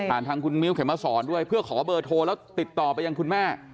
ทางคุณมิ้วเข็มมาสอนด้วยเพื่อขอเบอร์โทรแล้วติดต่อไปยังคุณแม่